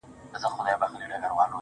د دوی په مجلس کې